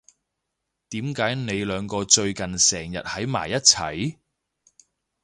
點解你兩個最近成日喺埋一齊？